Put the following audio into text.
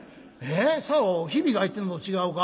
さおヒビが入ってんの違うか。